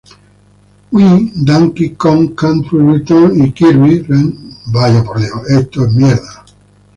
Wii", "Donkey Kong Country Returns" y "Kirby's Return to Dream Land".